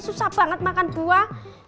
susah banget makan buah